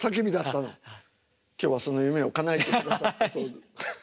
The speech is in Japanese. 今日はその夢をかなえてくださったそうで。